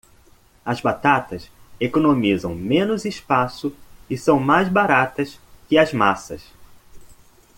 As batatas economizam menos espaço e são mais baratas que as massas.